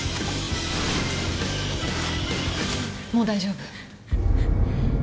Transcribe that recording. もう大丈夫。